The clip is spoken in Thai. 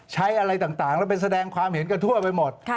อะไรต่างแล้วไปแสดงความเห็นกันทั่วไปหมด